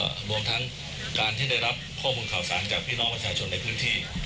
ก็รวมทั้งการที่ได้รับข้อมูลข่าวสารจากพี่น้องประชาชนในพื้นที่